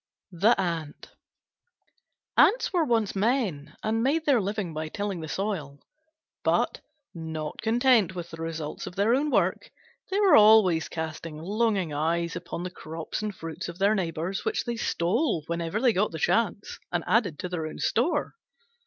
THE ANT Ants were once men and made their living by tilling the soil. But, not content with the results of their own work, they were always casting longing eyes upon the crops and fruits of their neighbours, which they stole, whenever they got the chance, and added to their own store.